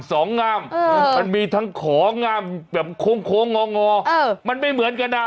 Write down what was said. งามมันมีทั้งของามแบบโค้งงองอมันไม่เหมือนกันอ่ะ